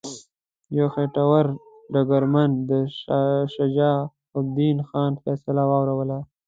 یو خیټور ډګرمن د شجاع الدین خان فیصله واوروله.